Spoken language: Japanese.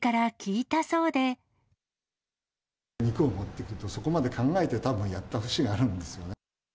肉を持ってくると、そこまで考えてたぶんやったふしがあるんですよね。